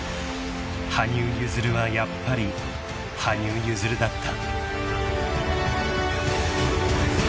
［羽生結弦はやっぱり羽生結弦だった］